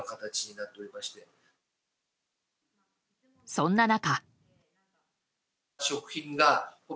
そんな中。